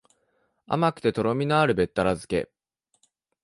甘くてとろみのあるべったら漬け